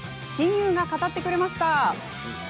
親友が語ってくれました。